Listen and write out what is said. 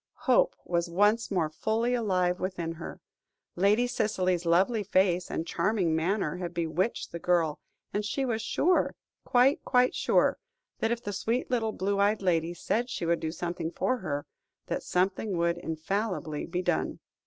Hope was once more fully alive within her. Lady Cicely's lovely face and charming manner had bewitched the girl, and she was sure quite, quite sure that if the sweet little blue eyed lady said she would do something for her, that something would infallibly be done.